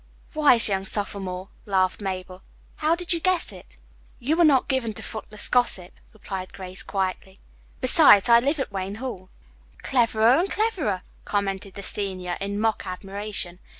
"Wise young sophomore," laughed Mabel. "How did you guess it?" "You are not given to footless gossip," replied Grace quietly. "Besides, I live at Wayne Hall." "Cleverer and cleverer," commented the senior, in mock admiration.